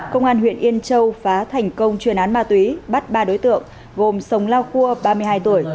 công an huyện yên châu phá thành công chuyên án ma túy bắt ba đối tượng gồm sông lao cua ba mươi hai tuổi